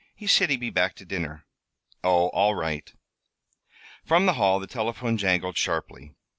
He said he'd be back to dinner." "Oh! All right." From the hall the telephone jangled sharply.